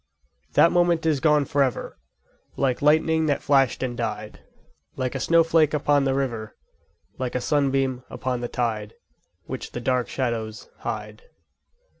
_5 2. That moment is gone for ever, Like lightning that flashed and died Like a snowflake upon the river Like a sunbeam upon the tide, Which the dark shadows hide.